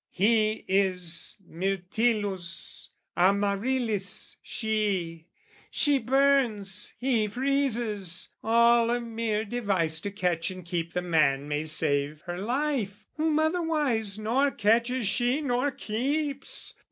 He is Myrtillus, Amaryllis she, She burns, he freezes, all a mere device To catch and keep the man may save her life, Whom otherwise nor catches she nor keeps!